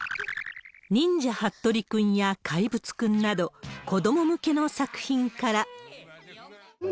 忍者ハットリくんや怪物くんなど、子ども向けの作品から。